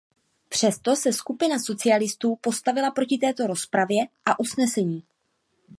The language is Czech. Přesto se skupina Socialistů postavila proti této rozpravě a usnesení.